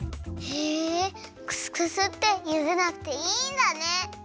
へえクスクスってゆでなくていいんだね。